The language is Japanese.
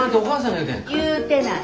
言ってない。